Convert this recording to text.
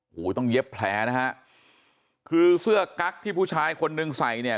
โอ้โหต้องเย็บแผลนะฮะคือเสื้อกั๊กที่ผู้ชายคนนึงใส่เนี่ย